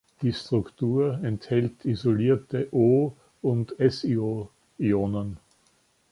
Die Struktur enthält isolierte O- und SiO-Ionen.